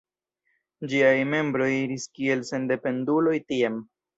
Ĝiaj membroj iris kiel sendependuloj tiam.